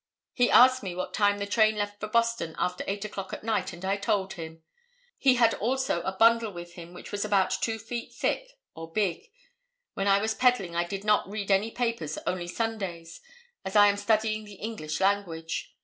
He asked me what time the train left for Boston after 8 o'clock at night and I told him. He had also a bundle with him which was about two feet thick or big; when I was peddling I did not read any papers only Sundays, as I am studying the English language.